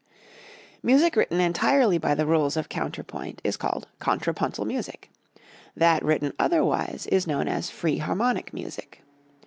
Music written entirely by the rules of counterpoint is called contrapuntal music; that written otherwise is known as free harmonic music.